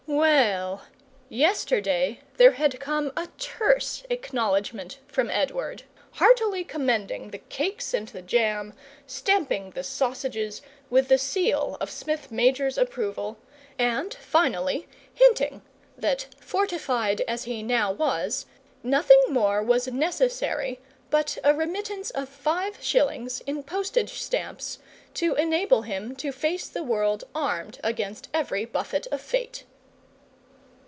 Well, yesterday there had come a terse acknowledgment from Edward, heartily commending the cakes and the jam, stamping the sausages with the seal of Smith major's approval, and finally hinting that, fortified as he now was, nothing more was necessary but a remittance of five shillings in postage stamps to enable him to face the world armed against every buffet of fate.